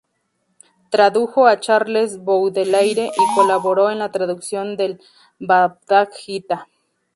Tradujo a Charles Baudelaire y colaboró en la traducción del Bhagavad-gītā.